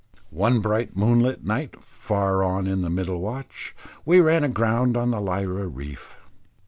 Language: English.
One bright moonlight night, far on in the middle watch, we ran aground on the Lyra reef.